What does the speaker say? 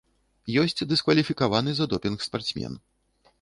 Ёсць дыскваліфікаваны за допінг спартсмен.